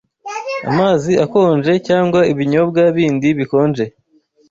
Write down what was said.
Amazi akonje cyangwa ibinyobwa bindi bikonje